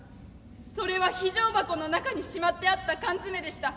それは非常箱の中にしまってあった缶詰でした。